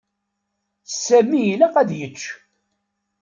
Sami ilaq ad yečč.